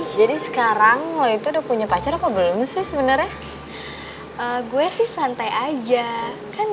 jadi sekarang lo itu udah punya pacar apa belum sih sebenarnya gue sih santai aja kan